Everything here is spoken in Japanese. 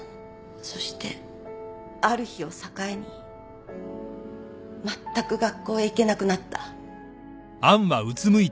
そしてある日を境にまったく学校へ行けなくなった。